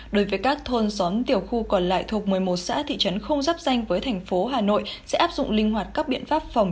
đối với các thôn xóm tiểu khu còn lại thuộc một mươi một xã thị trấn không giáp danh với thành phố hà nội sẽ áp dụng linh hoạt các biện pháp phòng